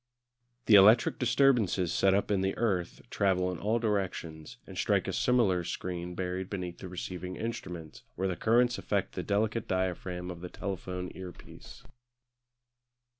The electric disturbances set up in the earth travel in all directions, and strike a similar screen buried beneath the receiving instrument, where the currents affect the delicate diaphragm of the telephone earpiece.